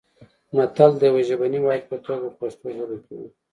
متل د یوه ژبني واحد په توګه په پښتو ژبه کې و